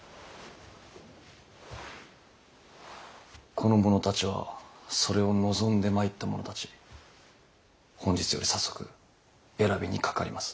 この者たちはそれを望んで参った者たち本日より早速選びにかかります。